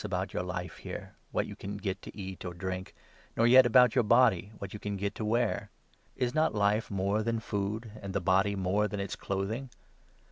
about your life here — what you can get to eat or drink ; nor yet about your body — what you can get to wear. Is not life more than food, and the body than its clothing?